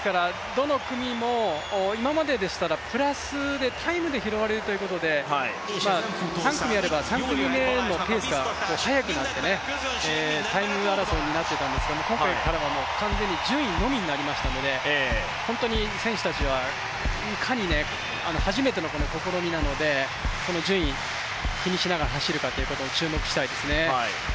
今まででしたらプラスでタイムで拾われるということで、３組あれば、３組目のペースが速くなって、タイム争いになっていたんですが、今回からは完全に順位のみになりましたので、選手たちはいかに初めての試みなので、順位、気にしながら走るかということを注目したいですね。